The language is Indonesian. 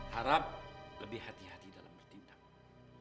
harap lebih hati hati dalam bertindak